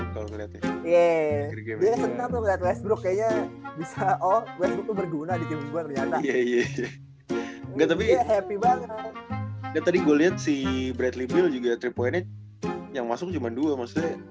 kayaknya bisa berguna di game gue tapi gue lihat sih bradley juga yang masuk cuma dua